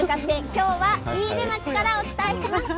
今日は飯豊町からお伝えしました。